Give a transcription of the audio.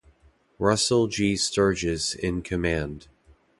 Russell G. Sturges in command.